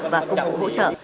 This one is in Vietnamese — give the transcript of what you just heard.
và công cụ hỗ trợ